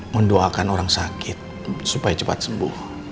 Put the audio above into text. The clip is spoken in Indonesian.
mendoakan orang sakit supaya cepat sembuh